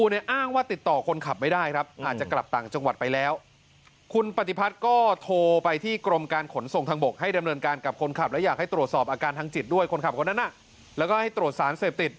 ด้วยคนขับคนนั้นนะแล้วก็ให้โตรสารเสพติด